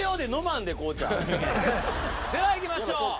ではいきましょう。